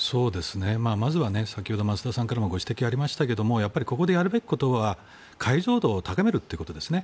まずは先ほど増田さんからもご指摘ありましたがここでやるべきことは解像度を高めるということですね。